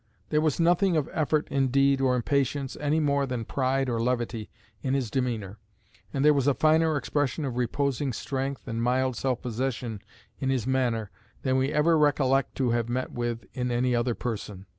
There was nothing of effort indeed, or impatience, any more than pride or levity, in his demeanour; and there was a finer expression of reposing strength, and mild self possession in his manner, than we ever recollect to have met with in any other person.